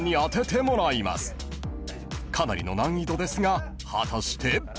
［かなりの難易度ですが果たして？］